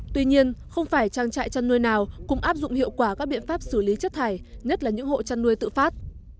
tuy nhiên không phải trang trại chăn nuôi nào cũng áp dụng hiệu quả các biện pháp xử lý chất thải nhất là những hộ chăn nuôi tự phát